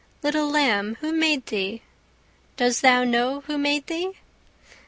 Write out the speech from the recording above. Little lamb, who made thee? Does thou know who made thee?